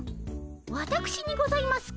わたくしにございますか？